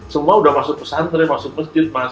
semua sudah masuk pesantren masuk masjid